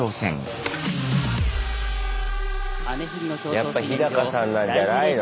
やっぱヒダカさんなんじゃないの？